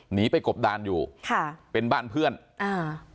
หนีไปกบดานอยู่ค่ะเป็นบ้านเพื่อนอ่า